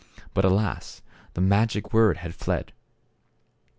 But, alas ! the magic word had fled.